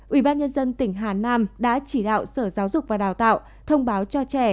ubnd tỉnh hà nam đã chỉ đạo sở giáo dục và đào tạo thông báo cho trẻ